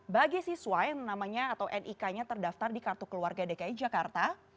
bagi siswa yang namanya atau nik nya terdaftar di kartu keluarga dki jakarta